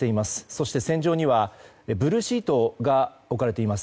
そして船上にはブルーシートが置かれています。